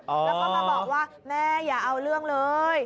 แล้วก็มาบอกว่าแม่อย่าเอาเรื่องเลย